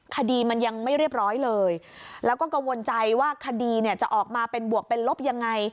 คดีมันยังไม่เรียบร้อยเลยแล้วก็กังวลใจว่าคดีเนี่ยจะออกมาเป็นบวกเป็นลบยังไง